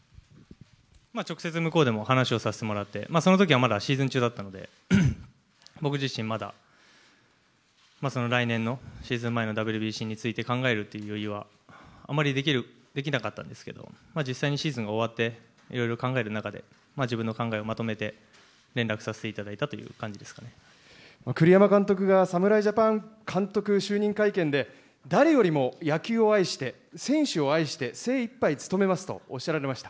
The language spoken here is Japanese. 直接向こうでも話をさせてもらって、そのときはまだシーズン中だったので、僕自身まだ、その来年のシーズン前のＷＢＣについて考えるという余裕は、あまりできなかったんですけど、実際にシーズンが終わって、いろいろ考える中で、自分の考えをまとめて、連絡させていただいたという栗山監督が侍ジャパン監督就任会見で、誰よりも野球を愛して、選手を愛して、精いっぱいつとめますとおっしゃられました。